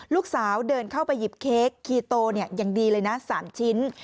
ลูกสาวเดินเข้าไปหยิบเค้กคีโตอย่างดีเลยนะ๓ชิ้น